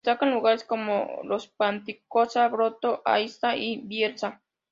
Destacan lugares como los Panticosa, Broto, Aínsa y Bielsa.